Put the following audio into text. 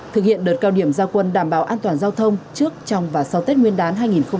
thực hiện đợt cao điểm gia quân đảm bảo an toàn giao thông trước trong và sau tết nguyên đán hai nghìn hai mươi